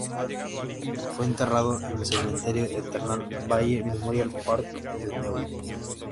Fue enterrado en el Cementerio Eternal Valley Memorial Park de Newhall.